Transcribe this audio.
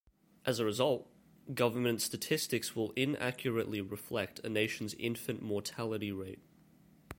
As a result, government statistics will inaccurately reflect a nation's infant mortality rate.